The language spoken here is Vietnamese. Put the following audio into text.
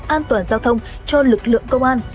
an toàn giao thông cho lực lượng công an